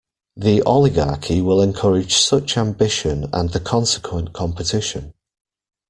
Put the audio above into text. The Oligarchy will encourage such ambition and the consequent competition.